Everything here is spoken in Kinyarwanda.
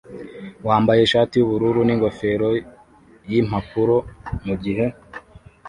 wambaye ishati yubururu ningofero yimpapuro mugihe